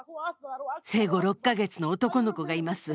生後６か月の男の子がいます。